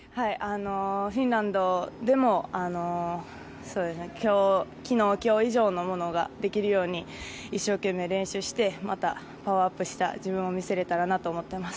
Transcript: フィンランドでも昨日、今日以上のものができるように一生懸命練習してまたパワーアップした自分を見せれたらなと思っています。